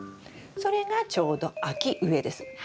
それがちょうど秋植えです。